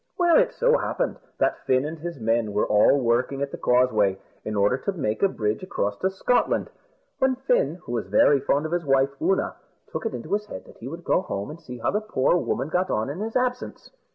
Well, it so happened that Fin and his men were all working at the Causeway, in order to make a bridge across to Scotland; when Fin, who was very fond of his wife Oonagh, took it into his head that he would go home and see how the poor woman got on in his absence.